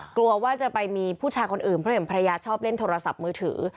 กลัวว่าจะไปมีผู้ชายคนอื่นเพราะเห็นภรรยาชอบเล่นโทรศัพท์มือถือ